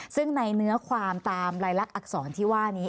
ซึ่งในเนื้อความตามลายลักษรที่ว่านี้